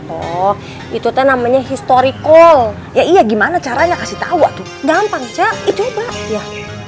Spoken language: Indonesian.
oh itu namanya historical ya iya gimana caranya kasih tahu tuh gampang coba ya